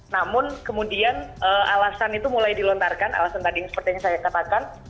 namun kemudian alasan itu mulai dilontarkan alasan tadi yang sepertinya saya katakan